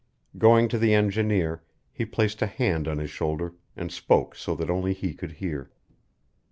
Going to the engineer, he placed a hand on his shoulder, and spoke so that only he could hear.